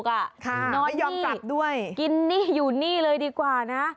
ค่ะไม่ยอมกลับด้วยนอนนี่กินนี่อยู่นี่เลยดีกว่านะ